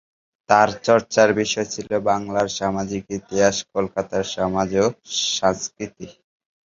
তার চর্চার বিষয় ছিল বাংলার সামাজিক ইতিহাস, কলকাতার সমাজ ও সংস্কৃতি।